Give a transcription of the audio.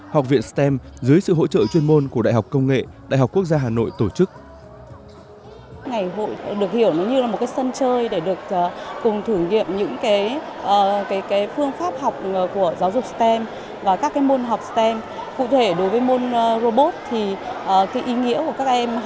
học viện stem dưới sự hỗ trợ chuyên môn của đại học công nghệ đại học quốc gia hà nội tổ chức